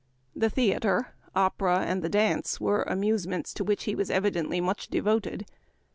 The theater, opera, and the dance were amusements to which he was evidently much devoted.